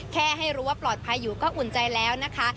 ให้รู้ว่าปลอดภัยอยู่ก็อุ่นใจแล้วนะคะ